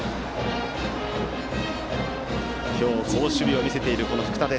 今日、好守備を見せている福田。